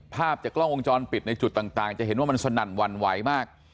ภาพจากกล้องวงจรปิดในจุดต่างจะเห็นว่ามันสนั่นหวั่นไหวมาก